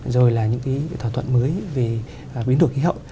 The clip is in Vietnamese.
rồi là những cái thỏa thuận mới về biến đổi khí hậu